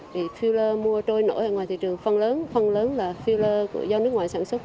thì filler mua trôi nổi ở ngoài thị trường phần lớn phần lớn là filler do nước ngoài sản xuất